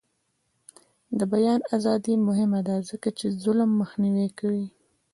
د بیان ازادي مهمه ده ځکه چې ظلم مخنیوی کوي.